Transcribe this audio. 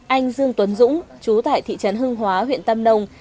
anh dương tuấn dũng chú tại thị trấn hưng hóa huyện tâm đông